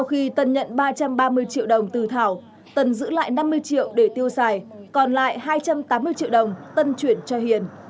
hiền giữ lại sáu mươi triệu đồng tiêu xài và chuyển cho tân